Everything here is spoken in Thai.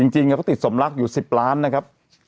จริงเขาติดสมรักอยู่๑๐ล้านนะครับ